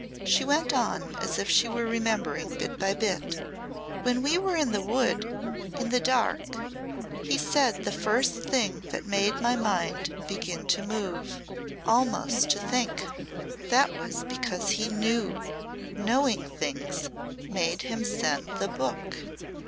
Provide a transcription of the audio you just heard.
She went on as if she were remembering bit by bit. "When we were in the Wood in the dark, he said the first thing that made my mind begin to move almost to think. That was because he knew. Knowing things made him send the book."